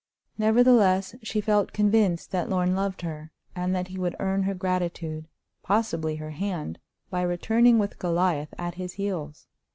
Nevertheless, she felt convinced that Lorn loved her, and that he would earn her gratitude—possibly her hand—by returning with Goliath at his heels.